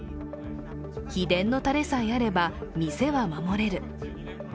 秘伝のタレさえあれば店は守れる。